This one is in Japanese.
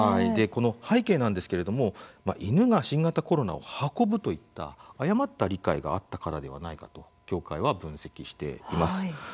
この背景なんですけれども犬が新型コロナを運ぶといった誤った理解があったからではないかと協会は分析しています。